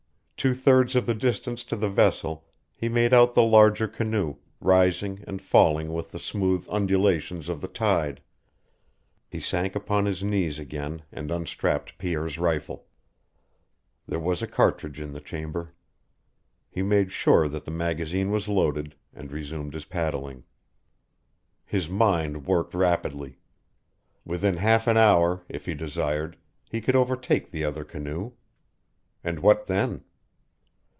Two thirds of the distance to the vessel he made out the larger canoe, rising and falling with the smooth undulations of the tide. He sank upon his knees again and unstrapped Pierre's rifle. There was a cartridge in the chamber. He made sure that the magazine was loaded, and resumed his paddling. His mind worked rapidly. Within half an hour, if he desired, he could overtake the other canoe. And what then?